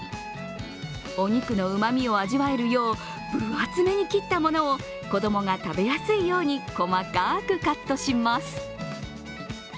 お肉のうまみを味わえるよう、分厚めに切ったものを子供が食べやすいように細かくカットします。